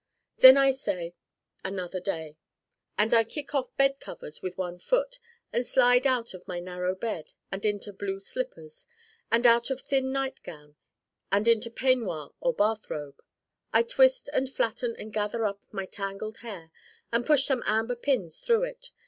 Then I say 'another day,' and I kick off bed covers with one foot and slide out of my narrow bed, and into blue slippers, and out of a thin nightgown, and into peignoir or bathrobe. I twist and flatten and gather up my tangled hair and push some amber pins through it.